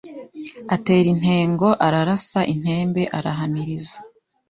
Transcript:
atera intego, ararasa intembe, arahamiriza